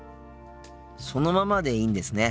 そのままでいいんですね。